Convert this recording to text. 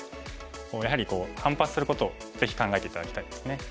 やはり反発することをぜひ考えて頂きたいですね。